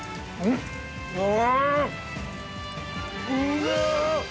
うわ。